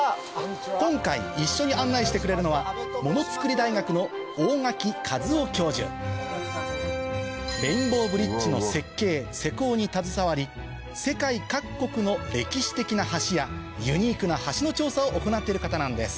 今回一緒に案内してくれるのはレインボーブリッジの設計・施工に携わり世界各国の歴史的な橋やユニークな橋の調査を行ってる方なんです